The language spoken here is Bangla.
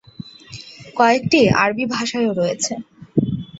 কয়েকটি আরবি ভাষায়ও রয়েছে।